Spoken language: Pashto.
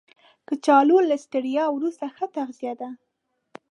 کچالو له ستړیا وروسته ښه تغذیه ده